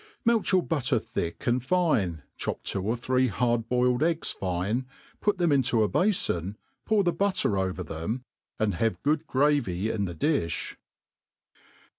MELT your butter thick and fine, chop two or three hard ,, boiled eggs fine, put them into a bafon, pour the butter over them, and have good gravy in the difli.